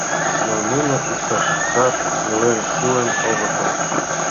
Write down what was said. Но нуно иктыштат илен шуын огытыл.